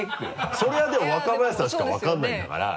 それはでも若林さんしか分からないんだから。